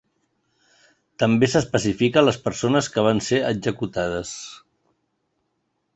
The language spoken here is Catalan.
També s’especifica les persones que van ser executades.